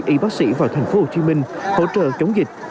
y bác sĩ vào tp hcm hỗ trợ chống dịch